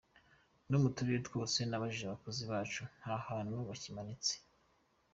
No mu turere twose nabajije abakozi bacu ntahantu bikimanitse.